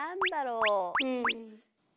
うん。